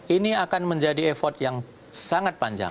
ini akan menjadi effort yang sangat panjang